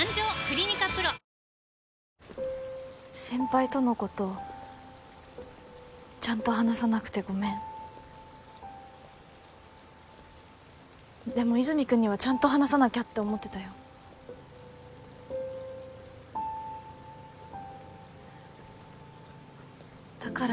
先輩とのことちゃんと話さなくてごめんでも和泉君にはちゃんと話さなきゃって思ってたよだから